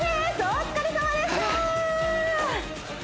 お疲れさまでした！